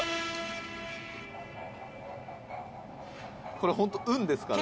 これ本当運ですからね。